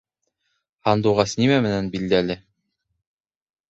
Һандуғас нимә менән билдәле?